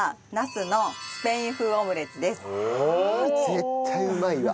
絶対うまいわ。